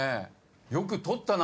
よく取ったな。